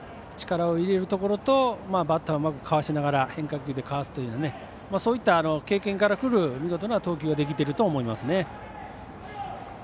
力を入れるところとバッターをうまくかわしながら変化球でかわすというそういった経験から来る見事な投球ができていると思います。